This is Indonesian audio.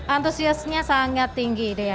antusiasnya sangat tinggi dea